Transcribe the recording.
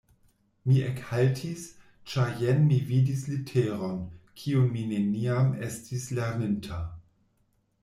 Mi ekhaltis, ĉar jen mi vidis literon, kiun mi neniam estis lerninta.